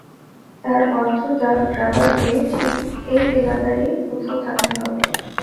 যার অর্থ দ্য গ্র্যাবারকে ঠিক এই এলাকার-ই কোথাও থাকতে হবে।